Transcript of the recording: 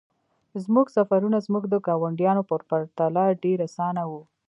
زموږ سفرونه زموږ د ګاونډیانو په پرتله ډیر اسانه وو